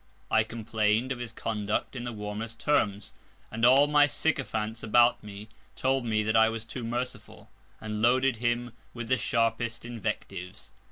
I complain'd of his Conduct in the warmest Terms; and all my Sycophants about me, told me that I was too merciful; and loaded him with the sharpest Invectives.